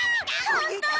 ホント？